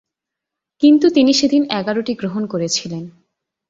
কিন্তু তিনি সেদিন এগারোটি গ্রহণ করেছিলেন।